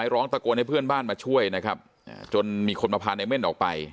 ร้องตะโกนให้เพื่อนบ้านมาช่วยนะครับจนมีคนมาพาในเม่นออกไป